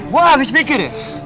gua habis pikir ya